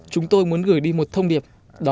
chúng tôi muốn gửi đi một thông điệp